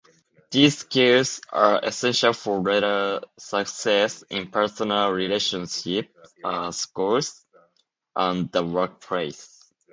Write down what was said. These skills are essential for later success in personal relationships, school, and the workplace.